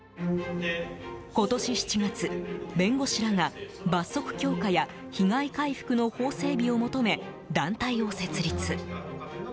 今年７月、弁護士らが罰則強化や被害回復の法整備を求め、団体を設立。